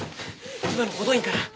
今の補導員かな？